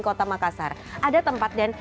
kota makassar ada tempat dan